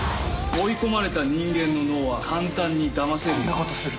「追い込まれた人間の脳は簡単にだませる」